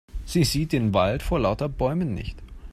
Sie sieht den Wald vor lauter Bäumen nicht.